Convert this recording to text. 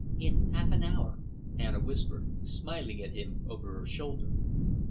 "In half an hour," Anna whispered, smiling at him over her shoulder.